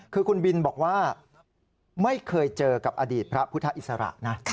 คือคุณบินบอกว่าไม่เคยเจอกับอดีตพระพุทธอิสระนะ